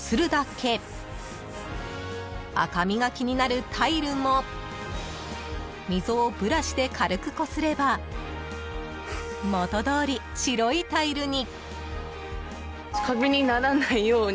［赤みが気になるタイルも溝をブラシで軽くこすれば元通り白いタイルに］